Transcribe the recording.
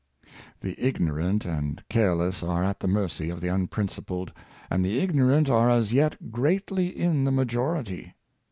The ignorant and careless are at the mercy of the unprincipled ; and the ignorant are as yet greatly in the majority.